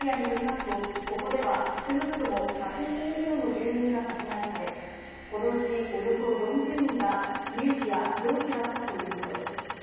イスラエルメディアによりますと、ここでは少なくとも１００人以上の住民が殺害され、このうち、およそ４０人が乳児や幼児だったということです。